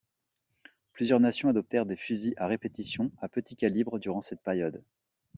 Plusieurs nations adoptèrent des fusils à répétition à petit calibre durant cette période.